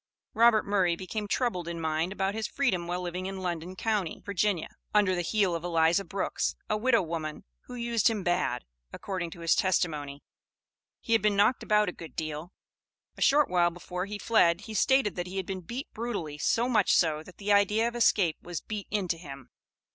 Robert Murray became troubled in mind about his freedom while living in London county, Virginia, under the heel of Eliza Brooks, a widow woman, who used him bad, according to his testimony. He had been "knocked about a good deal." A short while before he fled, he stated that he had been beat brutally, so much so that the idea of escape was beat into him.